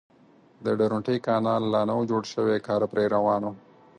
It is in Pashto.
د درونټې کانال لا نه و جوړ شوی کار پرې روان و.